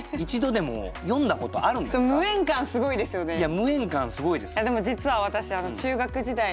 いや無縁感すごいです。